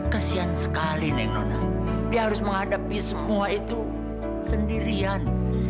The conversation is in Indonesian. kesian sekali nen nona dia harus menghadapi semua itu sendirian